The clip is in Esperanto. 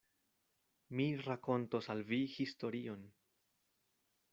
Mi rakontos al vi historion.